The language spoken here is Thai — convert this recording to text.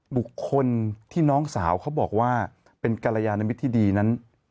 บุคคลที่น้องสาวเขาบอกว่าเป็นกรยานมิตรที่ดีนั้น